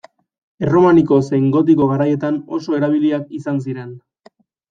Erromaniko zein gotiko garaietan oso erabiliak izan ziren.